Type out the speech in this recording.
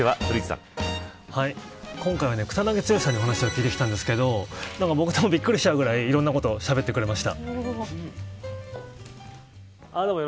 今回は草なぎ剛さんのお話を聞いてきたんですけど僕がびっくりしちゃうくらいいろんなことをしゃべってくれました。